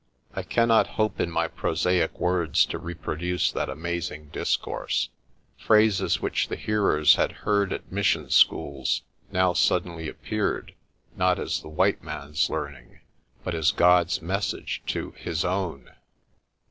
I cannot hope in my prosaic words to reproduce that amaz ing discourse. Phrases which the hearers had heard at mis sion schools now suddenly appeared, not as the white man's learning, but as God's message to His own.